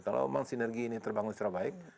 kalau memang sinergi ini terbangun secara baik